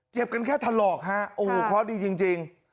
เจ็บกันแค่ถาลอกฮะโอโหคล้อดีจริง